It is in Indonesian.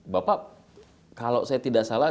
bapak kalau saya tidak salah